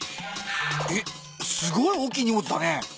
えっすごい大きい荷物だね。